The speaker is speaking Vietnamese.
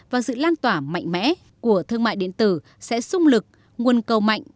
và sự lan tỏa mạnh mẽ của thương mại điện tử sẽ xung lực nguồn cầu mạnh